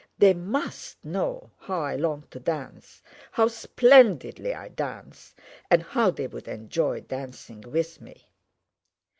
"They must know how I long to dance, how splendidly I dance, and how they would enjoy dancing with me."